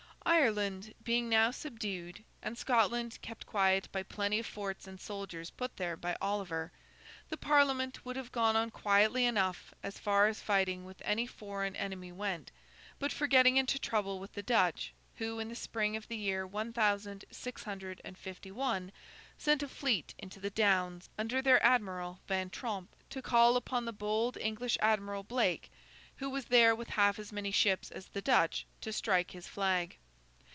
Ireland being now subdued, and Scotland kept quiet by plenty of forts and soldiers put there by Oliver, the Parliament would have gone on quietly enough, as far as fighting with any foreign enemy went, but for getting into trouble with the Dutch, who in the spring of the year one thousand six hundred and fifty one sent a fleet into the Downs under their Admiral Van Tromp, to call upon the bold English Admiral Blake (who was there with half as many ships as the Dutch) to strike his flag.